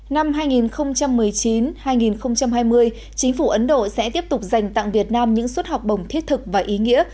năm hai nghìn một mươi chín hai nghìn hai mươi chính phủ ấn độ sẽ tiếp tục dành tặng việt nam những suất học bổng thiết thực và ý nghĩa